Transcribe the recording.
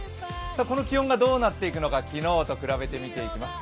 この気温がどうなっていくのか昨日と比べて見ていきます。